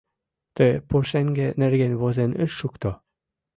Ты пушеҥге нерген возен ыш шукто.